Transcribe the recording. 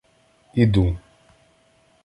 Іду.